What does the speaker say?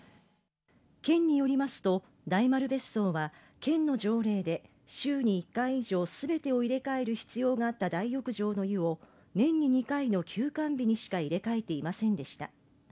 県によりますと、大丸別荘は県の条例で週に１回以上全てを入れ替える必要があった大浴場の湯を年に２回の休館日にしか入れ替えていませんでした。